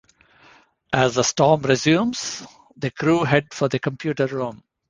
As the storm resumes, the crew head for the computer room.